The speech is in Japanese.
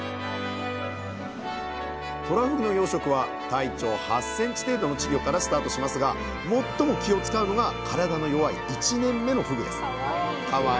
とらふぐの養殖は体長８ｃｍ程度の稚魚からスタートしますが最も気を遣うのが体の弱い１年目のふぐですかわいい。